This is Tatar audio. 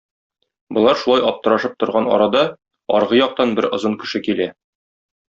Болар шулай аптырашып торган арада, аргы яктан бер озын кеше килә.